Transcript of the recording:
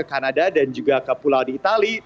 kanada dan juga ke pulau di itali